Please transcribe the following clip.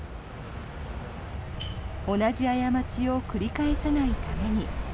同じ過ちを繰り返さないために。